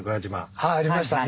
はいありましたね。